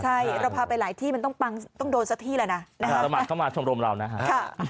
เราพาไปหลายที่มันต้องโดนสักที่แล้วนะระมัดเข้ามาชมโรมเรานะครับ